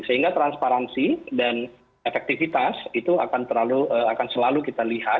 sehingga transparansi dan efektivitas itu akan selalu kita lihat